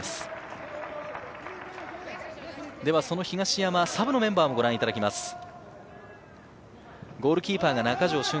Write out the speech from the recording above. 東山、サブのメンバーもご覧いただきます。